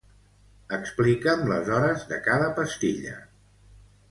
Explica'm les hores de cada pastilla.